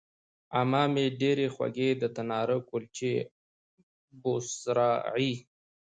عمه مې ډېرې خوږې د تناره کلچې او بوسراغې